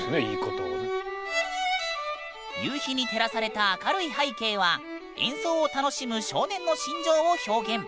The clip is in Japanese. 夕日に照らされた明るい背景は演奏を楽しむ少年の心情を表現。